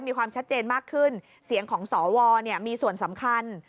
มีความชัดเจนมากขึ้นเสียงของสวมีส่วนสำคัญ